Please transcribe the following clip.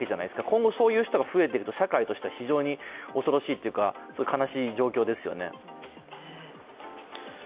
今後、そういう人が増えてくると社会としては非常に恐ろしいというか、悲しい状況ですよね。